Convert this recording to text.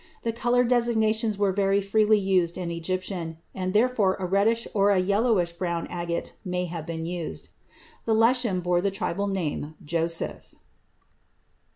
The color designations were very freely used in Egyptian, and therefore a reddish or a yellowish brown agate may have been used. The leshem bore the tribal name Joseph.